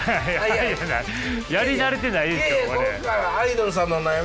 やり慣れてないでしょこれ。